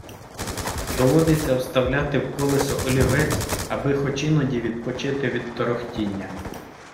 Доводиться вставляти в колесо олівець, аби хоч іноді відпочити від торохтіння.